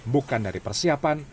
bukan dari persiapan